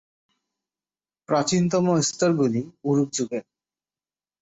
প্রাচীনতম স্তরগুলি উরুক যুগের।